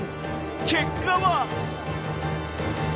結果は。